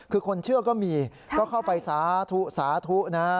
คือคนเชื่อก็มีก็เข้าไปสาธุสาธุนะ